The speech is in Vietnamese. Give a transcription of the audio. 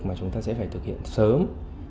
mà chúng ta sẽ phải thực hiện sớm